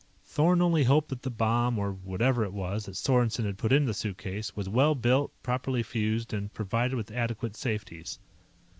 Thorn only hoped that the bomb, or whatever it was that Sorensen had put in the suitcase, was well built, properly fused, and provided with adequate safeties.